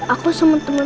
aku sama temen temen